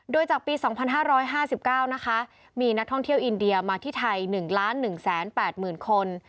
โดยจากปี๒๕๕๙นะคะมีนักท่องเที่ยวอินเดียมาที่ไทย๑๑๘๐๐๐คน